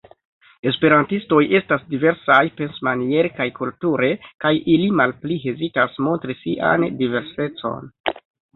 Esperantistoj estas diversaj pensmaniere kaj kulture, kaj ili malpli hezitas montri sian diversecon.